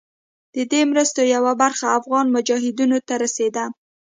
د دې مرستو یوه برخه افغان مجاهدینو ته رسېده.